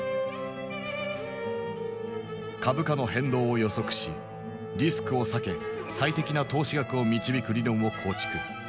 株価の変動を予測しリスクを避け最適な投資額を導く理論を構築。